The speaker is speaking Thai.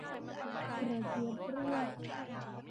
กระเจี๊ยบเปรี้ยว